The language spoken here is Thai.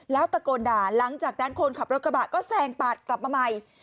แล้วตะโกนด่าหลังจากนั้นคนขับรถกระบะก็แซงปาดกลับมาใหม่